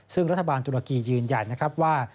ซึ่งรัฐบาลตุรกียืนยันว่า